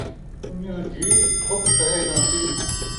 سن٘ڄاں جی ، دھپ سہے ناں سی